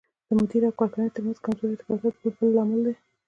د مدیر او کارکوونکو ترمنځ کمزوری ارتباط بل لامل دی.